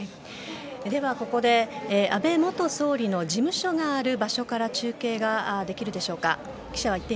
ではここで安倍元総理の事務所がある場所から中継ができるでしょうか。